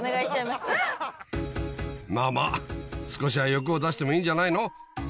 まぁまぁ少しは欲を出してもいいんじゃないの？